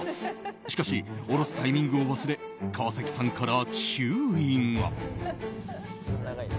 しかし、下ろすタイミングを忘れ川崎さんから注意が。